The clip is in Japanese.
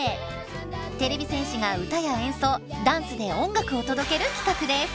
てれび戦士が歌や演奏ダンスで音楽を届ける企画です。